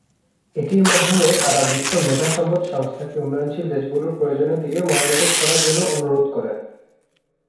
এটির মাধ্যমে তারা বিশ্ব মেধা সম্পদ সংস্থাকে উন্নয়নশীল দেশগুলির প্রয়োজনের দিকে মনোনিবেশ করার জন্য অনুরোধ করেন।